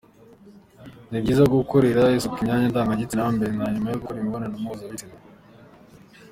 Ni byiza gukorera isuku imyanya ndangagitsina mbere na nyuma yo gukora imibonanompuzabitsina.